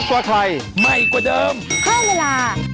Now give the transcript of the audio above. ใช่นะคะ